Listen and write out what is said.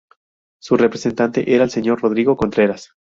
Su representante era el señor Rodrigo Contreras.